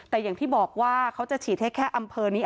แต่อย่างที่บอกว่าเขาจะฉีดให้แค่อำเภอนี้